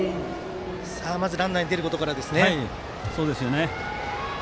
まずランナーが出ることです。